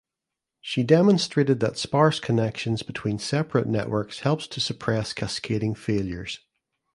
She demonstrated that sparse connections between separate networks helps to suppress cascading failures.